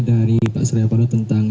dari pak suryapalo tentang